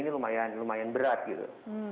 lumayan berat gitu